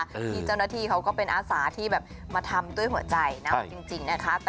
นี่เจ้าหน้าที่ก็เป็นอาสาที่แบบมาทำต้นหัวใจจริงนะคะ